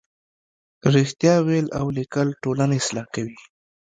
رښتیا ویل او لیکل ټولنه اصلاح کوي.